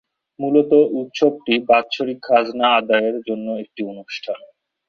মূলত উৎসবটি বাৎসরিক খাজনা আদায়ের জন্য একটি অনুষ্ঠান।